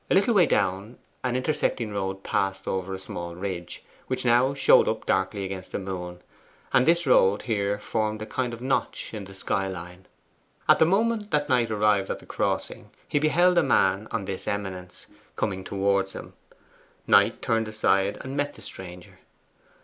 A little way down an intersecting road passed over a small ridge, which now showed up darkly against the moon, and this road here formed a kind of notch in the sky line. At the moment that Knight arrived at the crossing he beheld a man on this eminence, coming towards him. Knight turned aside and met the stranger.